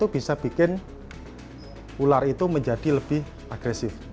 bisa membuat ular menjadi lebih agresif